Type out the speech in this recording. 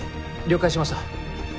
了解しました。